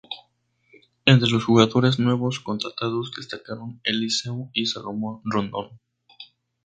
Entre los jugadores nuevos contratados destacaron Eliseu o Salomón Rondón.